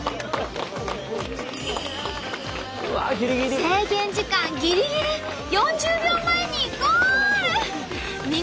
制限時間ギリギリ４０秒前にゴール！